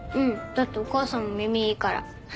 だってお母さんも耳いいから。